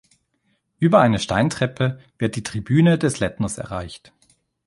Über eine Steintreppe wird die Tribüne des Lettners erreicht.